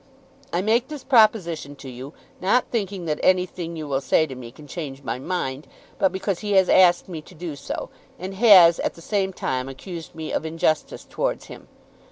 I make this proposition to you, not thinking that anything you will say to me can change my mind, but because he has asked me to do so, and has, at the same time, accused me of injustice towards him.